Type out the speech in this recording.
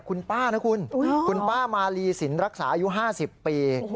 คุณป้านะคุณคุณป้ามาลีสินรักษาอายุ๕๐ปี